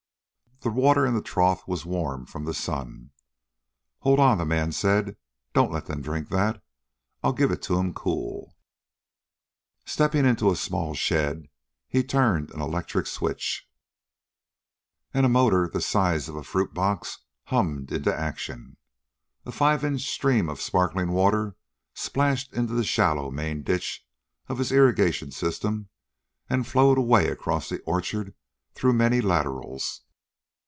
The water in the trough was warm from the sun. "Hold on," the man said. "Don't let them drink that. I'll give it to them cool." Stepping into a small shed, he turned an electric switch, and a motor the size of a fruit box hummed into action. A five inch stream of sparkling water splashed into the shallow main ditch of his irrigation system and flowed away across the orchard through many laterals.